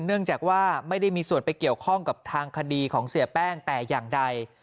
เนื่องจากว่าไม่ได้มีส่วนไปเกี่ยวข้องกับทางคดีของเสียแป้งแต่อย่างใด